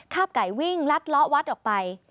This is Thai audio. คาบไก่วิ่งลัดล้อวัดออกไป